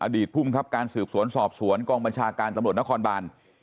ภูมิครับการสืบสวนสอบสวนกองบัญชาการตำรวจนครบาน